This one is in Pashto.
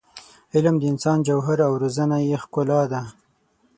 علم د انسان جوهر او روزنه یې ښکلا ده.